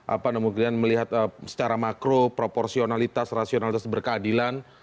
apa namun kemudian melihat secara makro proporsionalitas rasionalitas berkeadilan